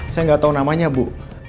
saya gak tau namanya bu